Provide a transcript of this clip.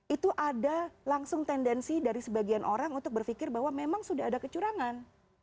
itu ada langsung tendensi dari sebagian orang untuk berpikir bahwa memang sudah ada kecurangan